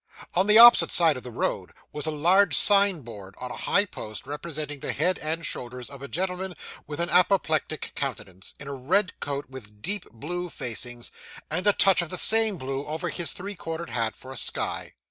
On the opposite side of the road was a large sign board on a high post, representing the head and shoulders of a gentleman with an apoplectic countenance, in a red coat with deep blue facings, and a touch of the same blue over his three cornered hat, for a sky.